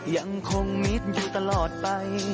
ยังคงมิตรอยู่ตลอดไป